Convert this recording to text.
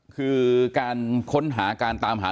คือการค้นหาการตามหา